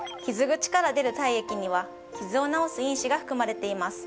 ぐちから出る体液にはキズを治す因子が含まれています。